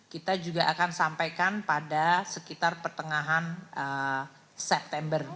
kita juga akan sampaikan pada sekitar pertengahan september